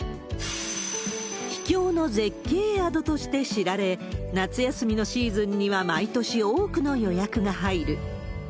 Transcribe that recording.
秘境の絶景宿として知られ、夏休みのシーズンには毎年多くの予約が入る。